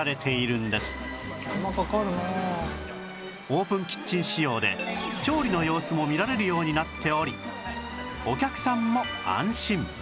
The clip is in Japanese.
オープンキッチン仕様で調理の様子も見られるようになっておりお客さんも安心